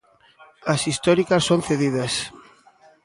As históricas son cedidas.